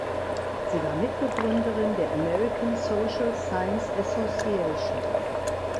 Sie war Mitbegründerin der American Social Science Association.